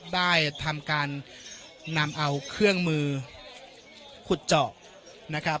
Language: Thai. ได้ทำการนำเอาเครื่องมือขุดเจาะนะครับ